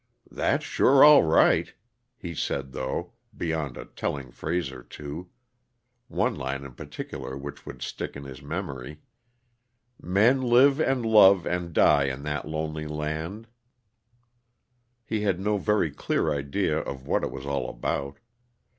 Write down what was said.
"That's sure all right," he said, though, beyond a telling phrase or two, one line in particular which would stick in his memory: "Men live and love and die in that lonely land," he had no very clear idea of what it was all about.